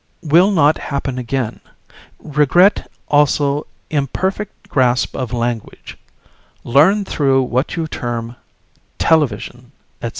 Will not happen again. Regret also imperfect grasp of language, learned through what you term Television etc.